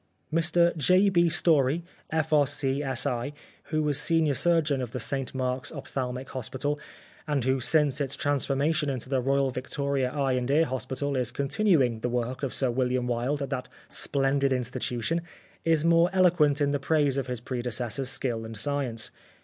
Mr J. B. Story, F.R.C.S.I., who was senior surgeon of the St Mark's Ophthal mic Hospital, and who since its transformation into the Royal Victoria Eye and Ear Hospital is continuing the work of Sir William Wilde at that splendid institution, is most eloquent in the praise of his predecessor's skill and science.